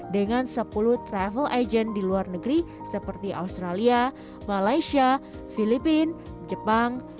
dengan sepuluh travel agent di luar negeri seperti australia malaysia filipina jepang